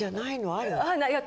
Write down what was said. ある。